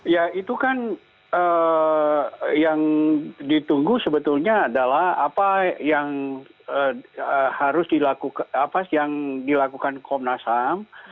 ya itu kan yang ditunggu sebetulnya adalah apa yang harus dilakukan komnas ham